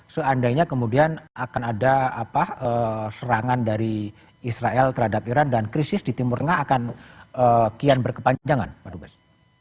seandainya kemudian akan ada serangan dari israel terhadap iran dan krisis di timur tengah akan kian berkepanjangan pak dubes